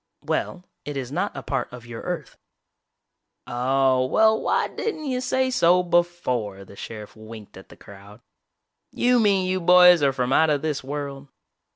"Well, it is not a part of your Earth." "Oh, well why didn't you say so before!" The sheriff winked at the crowd. "You mean you boys are from out of this world?"